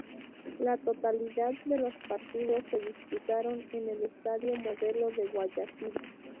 La totalidad de los partidos se disputaron en el Estadio Modelo de Guayaquil.